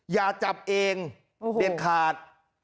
อย่าจับเองเด็ดขาด